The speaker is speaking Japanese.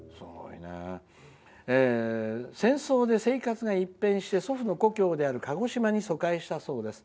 戦争で生活が一変して祖父の故郷である鹿児島に疎開したそうです。